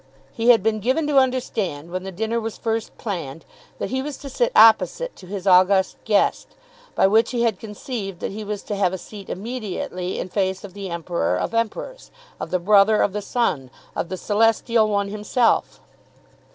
He had been given to understand when the dinner was first planned, that he was to sit opposite to his august guest; by which he had conceived that he was to have a seat immediately in face of the Emperor of Emperors, of the Brother of the Sun, of the Celestial One himself.